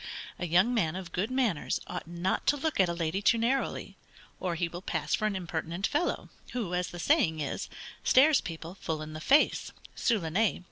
A young man of good manners ought not to look at a lady too narrowly, or he will pass for an impertinent fellow, who, as the saying is, stares people full in the face, (sous le nez.)